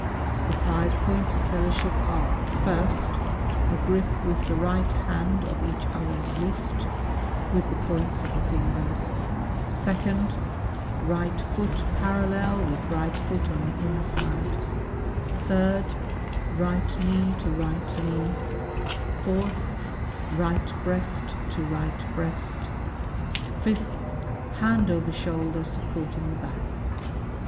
The five points of " fellowship are : first, a grip with the right hand of each other's " wrist, with the points of the fingers : second, right foot parallel " with right foot on the inside : third, right knee to right knee :" fourth, right breast to right breast : fifth, hand over shoulder, " supporting the back.